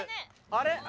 あれ？